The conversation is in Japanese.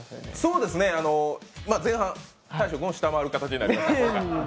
そうですね、前半大昇君を下回る形になりました。